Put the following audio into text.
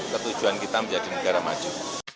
ketujuan kita menjadi negara maju